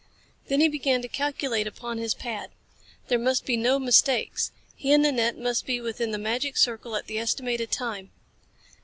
Then he began to calculate upon his pad. There must be no mistakes. He and Nanette must be within the magic circle at the estimated time.